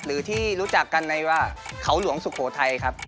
หรือที่รู้จักกันในว่าเขาหลวงสุโขทัยครับ